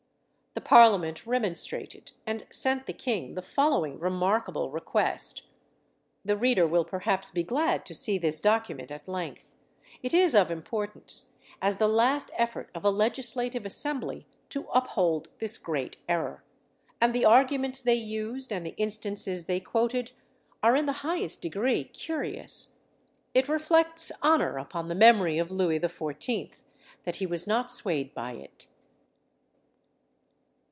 The parliament remonstrated, and sent the king the following remarkable request. The reader will perhaps be glad to see this document at length. It is of importance, as the last effort of a legislative assembly to uphold this great error; and the arguments they used and the instances they quoted are in the highest degree curious. It reflects honour upon the memory of Louis XIV. that he was not swayed by it.